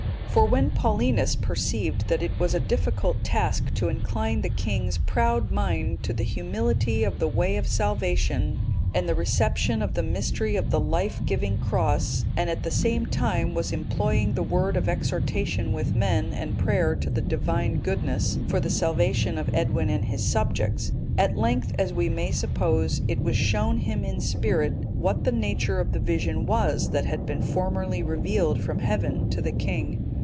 For when Paulinus perceived that it was a difficult task to incline the king's proud mind to the humility of the way of salvation and the reception of the mystery of the life giving Cross, and at the same time was employing the word of exhortation with men, and prayer to the Divine Goodness, for the salvation of Edwin and his subjects; at length, as we may suppose, it was shown him in spirit what the nature of the vision was that had been formerly revealed from Heaven to the king.